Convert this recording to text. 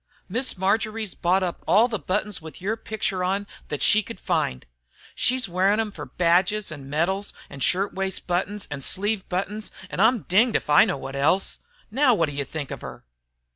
Miss Marjory's bought all the buttons with yer picture on thet she could find. She's wearin' 'em fer badges an' medals, an' shirt waist buttons, an' sleeve buttons, an' I'm dinged if I know what else. Now wot do you think of her?"